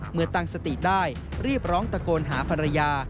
เมื่อตั้งสติได้รีบร้องตะโกนหาภรรยา